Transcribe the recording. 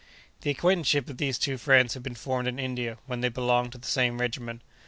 The acquaintanceship of these two friends had been formed in India, when they belonged to the same regiment.